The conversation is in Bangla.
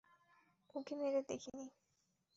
উঁকি মেরে দেখিনি।